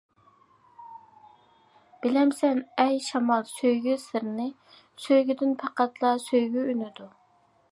بىلەمسەن ئەي شامال سۆيگۈ سىرىنى، سۆيگۈدىن پەقەتلا سۆيگۈ ئۈنىدۇ.